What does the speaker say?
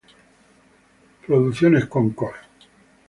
Concord Production Inc.